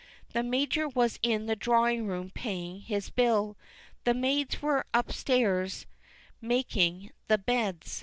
The Major was in the drawing room paying his bill. The maids were upstairs making the beds.